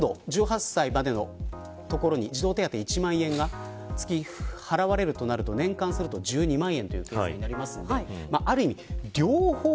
これは今度１８歳までのところに児童手当１万円月々、支払われるとなると年間１２万円という計算です。